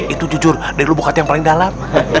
itu jujur dari lubuk hati yang paling dalam